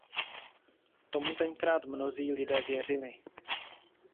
Tomu tenkrát mnozí lidé věřili.